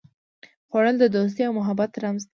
خوړل د دوستي او محبت رمز دی